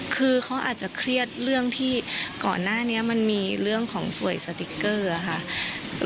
คือเขาอาจจะเครียดเรื่องที่ก่อนหน้านี้มันมีเรื่องของสวยสติ๊กเกอร์ค่ะ